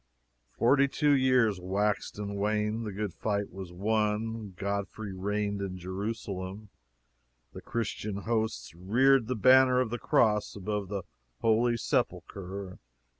Forty two years waxed and waned; the good fight was won; Godfrey reigned in Jerusalem the Christian hosts reared the banner of the cross above the Holy Sepulchre!